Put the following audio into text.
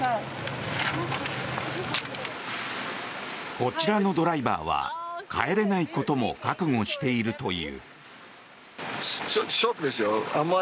こちらのドライバーは帰れないことも覚悟しているという。